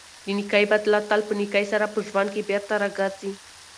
د نېکۍ بدله تل په نېکۍ سره په ژوند کې بېرته راګرځي.